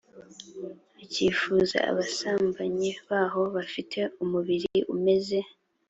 akifuza abasambanyi baho bafite umubiri umeze